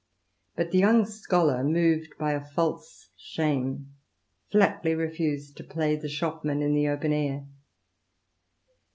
But the young scholar, moved by false shame, flatly refused to play the shopman in the open air.